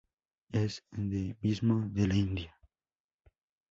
Es endemismo de la India.